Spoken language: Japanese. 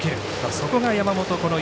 そこが山本由